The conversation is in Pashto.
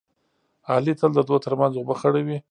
علي تل د دوو ترمنځ اوبه خړوي.